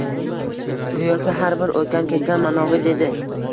Go‘yoki har bir o‘tgan-ketgan manovi dedi.